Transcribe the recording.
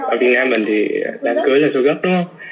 ở việt nam mình thì đám cưới là sơ gấp đúng không